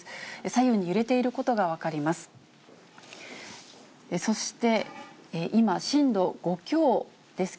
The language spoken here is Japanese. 左右に揺れていることが分かります。